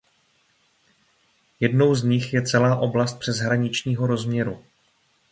Jednou z nich je celá oblast přeshraničního rozměru.